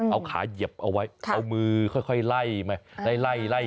เอาขาเหยียบเอาไว้เอามือค่อยไล่ไปไล่ไล่